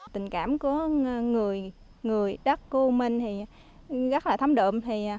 tình cảm của người đất của âu minh thì rất là thấm đậm